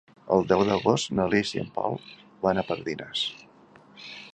El deu d'agost na Lis i en Pol van a Pardines.